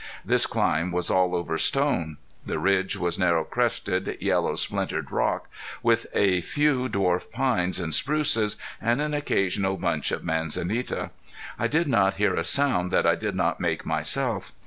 This climb was all over stone. The ridge was narrow crested, yellow, splintered rock, with a few dwarf pines and spruces and an occasional bunch of manzanita. I did not hear a sound that I did not make myself.